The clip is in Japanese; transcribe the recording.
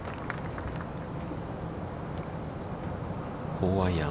４番アイアン。